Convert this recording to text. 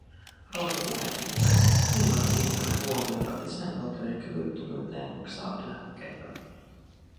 Arvoisa puhemies, milloin kiinnitämme huomiota jäsenvaltioiden kyvyttömyyteen maksaa eläkkeitä?